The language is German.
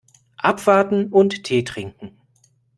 Abwarten und Tee trinken.